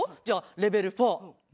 じゃあレベル４。